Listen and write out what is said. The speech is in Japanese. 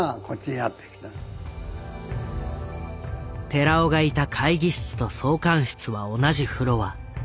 寺尾がいた会議室と総監室は同じフロア。